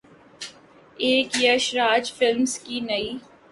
ایک ’یش راج فلمز‘ کی نئی